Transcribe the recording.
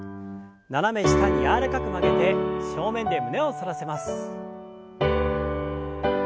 斜め下に柔らかく曲げて正面で胸を反らせます。